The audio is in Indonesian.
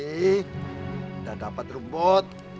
sudah dapat rumput